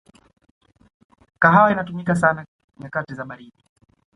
kahawa inatumika sana nyakati za baridi